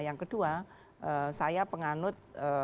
yang kedua saya penganut